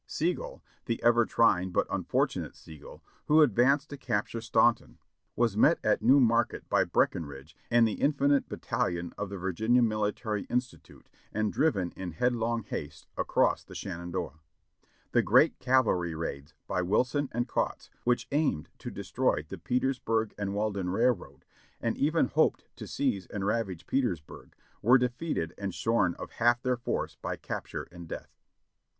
Sigel, the ever trying but unfortunate Sigel, who advanced to capture Staunton, was met at New INIarket by Breckenridge and the infant battalion of the Virginia Military Institute, and driven in headlong haste across the Shenandoah. The great cavalry raids by Wilson and Kautz, which aimed to destroy the Petersburg & Weldon Railroad, and even hoped to seize and ravage Petersburg, were defeated and shorn of half their force by capture and death.